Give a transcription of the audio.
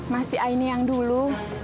mas aini yang dulu